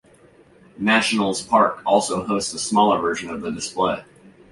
Nationals Park also hosts a smaller version of the display.